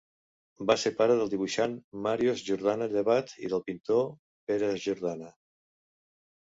Va ser pare del dibuixant Màrius Jordana Llevat i del pintor Pere Jordana.